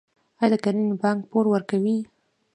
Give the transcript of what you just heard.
آیا د کرنې بانک پور ورکوي؟